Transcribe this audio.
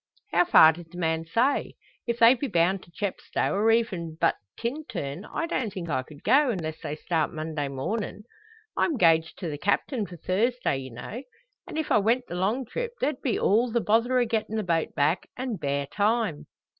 "How far did the man say? If they be bound to Chepstow or even but Tintern, I don't think I could go; unless they start Monday mornin'. I'm 'gaged to the Captain for Thursday, ye know; an if I went the long trip, there'd be all the bother o' gettin' the boat back an' bare time."